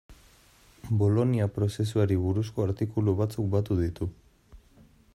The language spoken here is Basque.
Bolonia prozesuari buruzko artikulu batzuk batu ditu.